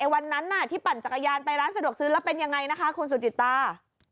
วันนั้นที่ปั่นจักรยานไปร้านสะดวกซื้อแล้วเป็นยังไงนะคะคุณสุจิตา